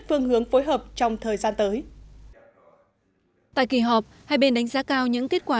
phương hướng phối hợp trong thời gian tới tại kỳ họp hai bên đánh giá cao những kết quả